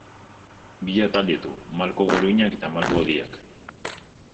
Bi atal ditu: malko guruinak eta malko hodiak.